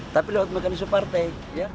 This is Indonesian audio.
tapi lewat mekanisme partai